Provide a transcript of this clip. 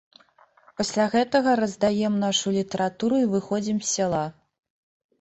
Пасля гэтага раздаем нашу літаратуру і выходзім з сяла.